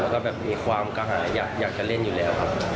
และมีความกระหาอยากจะเล่นอยู่แล้ว